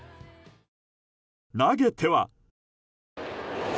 投げては。